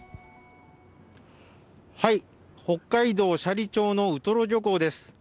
北海道斜里町のウトロ漁港です。